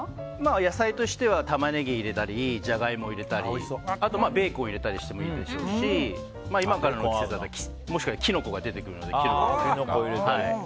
野菜としては玉ねぎを入れたりジャガイモ入れたりあとベーコンを入れたりしてもいいでしょうし今からの季節だともしかしたらキノコが出てくるので、使ったり。